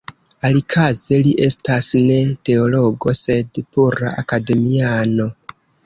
Alikaze li estas ne teologo sed pura akademiano.